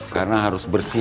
karena harus bersih